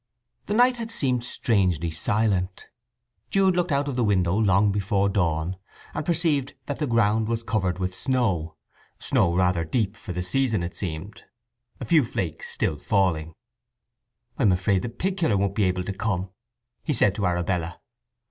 The night had seemed strangely silent. Jude looked out of the window long before dawn, and perceived that the ground was covered with snow—snow rather deep for the season, it seemed, a few flakes still falling. "I'm afraid the pig killer won't be able to come," he said to Arabella.